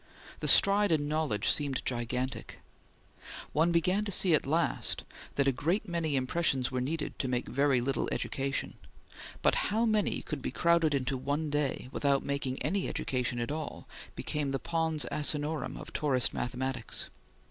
The stride in knowledge seemed gigantic. One began at last to see that a great many impressions were needed to make very little education, but how many could be crowded into one day without making any education at all, became the pons asinorum of tourist mathematics.